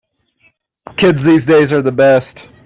Kids these days are the best.